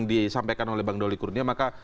disampaikan oleh bang doli kurnia maka